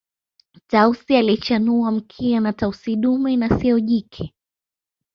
Tausi anayechanua mkia ni Tausi dume na siyo jike